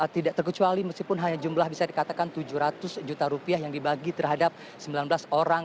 tidak terkecuali meskipun hanya jumlah bisa dikatakan tujuh ratus juta rupiah yang dibagi terhadap sembilan belas orang